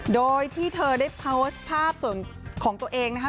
โดยที่เธอได้โพสต์ภาพส่วนของตัวเองนะคะ